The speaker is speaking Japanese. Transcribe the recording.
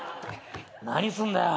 何すんだよ？